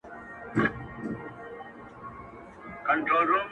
o په قحط کالۍ کي یې د سرو زرو پېزوان کړی دی؛